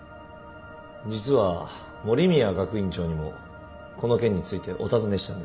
実は守宮学院長にもこの件についてお尋ねしたんです。